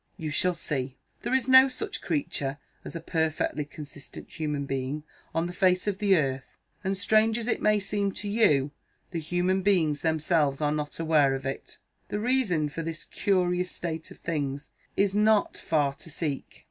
"You shall see. There is no such creature as a perfectly consistent human being on the face of the earth and, strange as it may seem to you, the human beings themselves are not aware of it. The reason for this curious state of things is not far to seek.